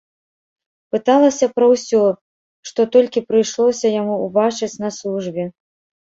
Пыталася пра ўсё, што толькі прыйшлося яму ўбачыць на службе.